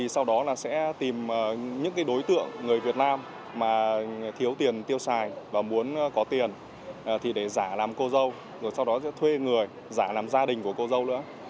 sau đó sẽ tìm những đối tượng người việt nam thiếu tiền tiêu xài và muốn có tiền để giả làm cô dâu sau đó sẽ thuê người giả làm gia đình của cô dâu